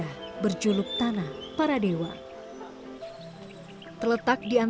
ke southern kuala darul adancang